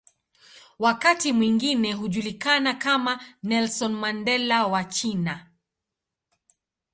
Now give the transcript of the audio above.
Wakati mwingine hujulikana kama "Nelson Mandela wa China".